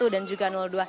satu dan juga dua